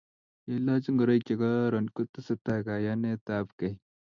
ye ilach ngoroik che kororon ko tesei kayanetab gei